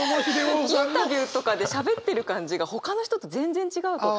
インタビューとかでしゃべってる感じがほかの人と全然違うと。